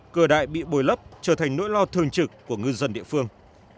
cửa đại bị bồi lấp trở thành nỗi lo thường trực của ngư dân địa phương